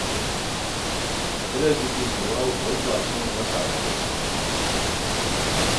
ہیرا گیتی ہے واؤ ہو باچھو نسہ اوائے